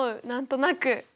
何となく。